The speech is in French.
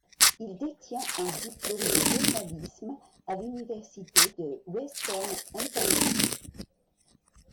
Il détient un diplôme de journalisme à l’Université de Western Ontario.